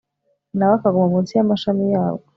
na we akaguma mu nsi y'amashami yabwo